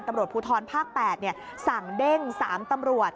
ตำรวจภูทรภาค๘สั่งเด้ง๓ตำรวจ